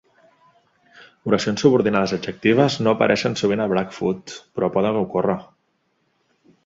Oracions subordinades adjectives no apareixen sovint a Blackfoot, però poden ocórrer.